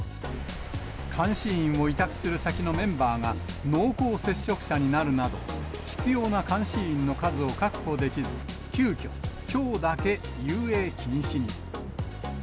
監視員を委託する先のメンバーが、濃厚接触者になるなど、必要な監視員の数を確保できず、急きょ、きょうだけ遊泳禁止に。